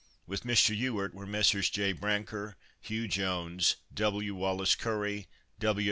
With Mr. Ewart were Messrs. J. Brancker, Hugh Jones, W. Wallace Currie, W.